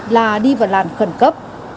là đi vào làn khẩn cấp